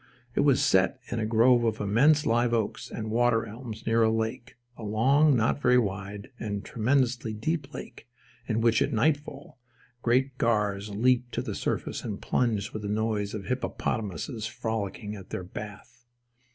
It was set in a grove of immense live oaks and water elms near a lake—a long, not very wide, and tremendously deep lake in which at nightfall, great gars leaped to the surface and plunged with the noise of hippopotamuses frolicking at their bath.